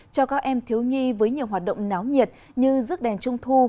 cho các em thiếu nhi với nhiều hoạt động náo nhiệt như rước đèn trung thu